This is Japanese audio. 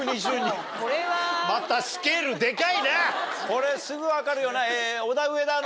これすぐ分かるよな。